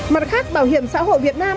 mặt khác bảo hiểm xã hội việt nam